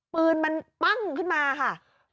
ปืนมันปั้งขึ้นมาค่ะ